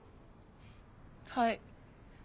はい。